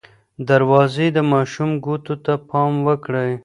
دروازې د ماشوم ګوتو ته پام وکړئ.